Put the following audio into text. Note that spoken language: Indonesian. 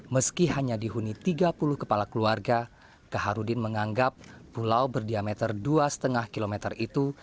meski hanya dihuni tiga puluh kepala keluarga kaharudin menganggap pulau berdiameter dua lima km itu